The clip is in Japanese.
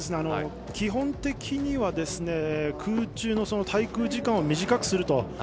基本的には空中の滞空時間を短くすると。